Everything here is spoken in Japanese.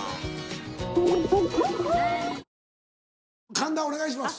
神田お願いします。